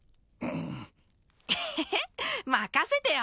エヘヘ任せてよ